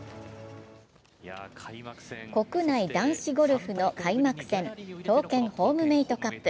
国内男子ゴルフの開幕戦、東建ホームメイトカップ。